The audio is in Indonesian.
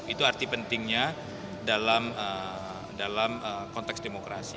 itu arti pentingnya dalam konteks demokrasi